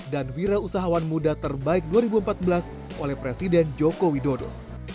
dan wira usahawan muda terbaik dua ribu empat belas oleh presiden joko widodo